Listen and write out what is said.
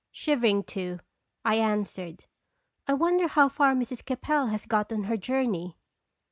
Shivering, too, I answered, " I wonder how far Mrs. Capel has got on her journey."